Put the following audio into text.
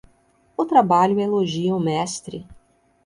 O trabalho elogia o mestre.